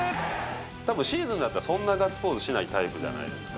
たぶん、シーズンだったらそんなにガッツポーズしないタイプじゃないですか。